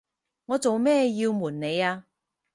我做咩要暪你呀？